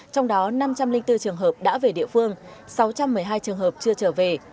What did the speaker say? trong đó năm trăm linh bốn trường hợp đã về địa phương sáu trăm một mươi hai trường hợp chưa trở về